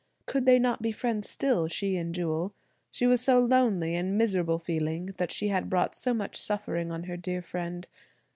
Could they not be friends still, she and Jewel? She was so lonely and miserable feeling that she had brought so much suffering on her dear friend.